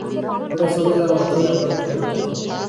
ওরা চলে যাওয়া মাত্রই আমরা ওখানে ঢুকবো।